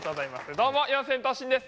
どうも四千頭身です。